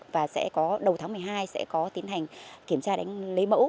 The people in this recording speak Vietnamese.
và đầu tháng một mươi hai sẽ có tiến hành kiểm tra lấy mẫu